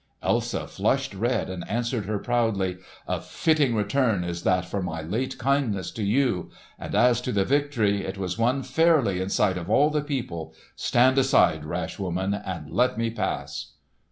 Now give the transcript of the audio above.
Elsa flushed red and answered her proudly, "A fitting return is this for my late kindness to you! And as to the victory it was won fairly in sight of all the people. Stand aside, rash woman, and let me pass!"